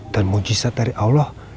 dan mujizat dari allah